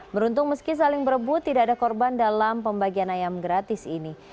beruntung meski saling berebut tidak ada korban dalam pembagian ayam gratis ini